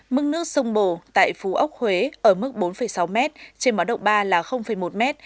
mức nước sông bồ tại phú ốc huế ở mức bốn sáu m trên báo động ba là một m